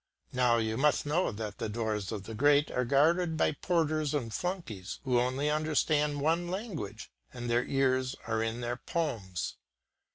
Now you must know that the doors of the great are guarded by porters and flunkeys, who only understand one language, and their ears are in their palms.